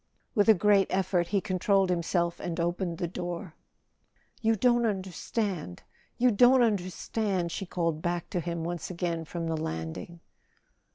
With a great effort he controlled himself and opened the door. "You don't understand—you don't understand!" she called back to him once again from the landing.